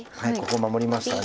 ここ守りました。